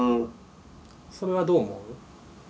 それはどう思う？